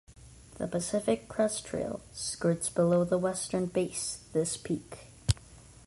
The Pacific Crest Trail skirts below the western base this peak.